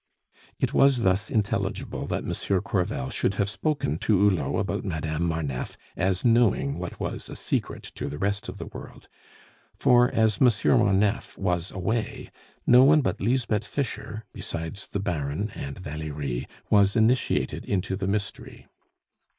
It is thus intelligible that Monsieur Crevel should have spoken to Hulot about Madame Marneffe, as knowing what was a secret to the rest of the world; for, as Monsieur Marneffe was away, no one but Lisbeth Fischer, besides the Baron and Valerie, was initiated into the mystery.